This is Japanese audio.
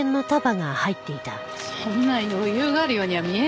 そんな余裕があるようには見えないよ。